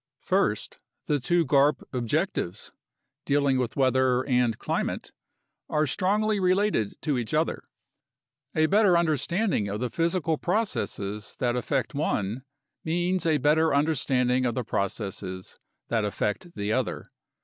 First, the two garp objectives, dealing with weather and climate, are strongly related to each other. A better understanding of the physical processes that affect one means a better understanding of the processes that affect the other.